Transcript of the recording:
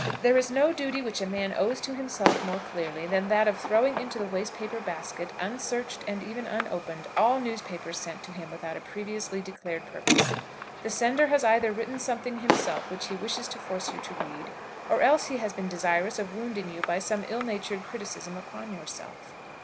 There is no duty which a man owes to himself more clearly than that of throwing into the waste paper basket, unsearched and even unopened, all newspapers sent to him without a previously declared purpose. The sender has either written something himself which he wishes to force you to read, or else he has been desirous of wounding you by some ill natured criticism upon yourself.